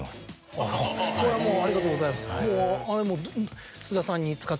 それはもうありがとうございます。